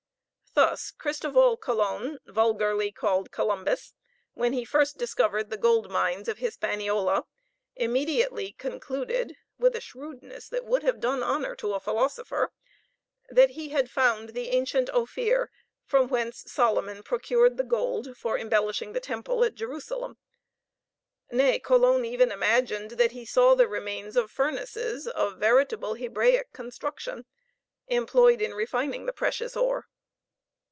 Thus Christoval Colon (vulgarly called Columbus), when he first discovered the gold mines of Hispaniola, immediately concluded, with a shrewdness that would have done honor to a philosopher, that he had found the ancient Ophir, from whence Solomon procured the gold for embellishing the temple at Jerusalem; nay, Colon even imagined that he saw the remains of furnaces of veritable Hebraic construction, employed in refining the precious ore.